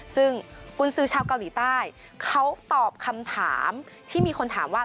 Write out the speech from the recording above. ซึ่งกุญสือชาวเกาหลีใต้เขาตอบคำถามที่มีคนถามว่า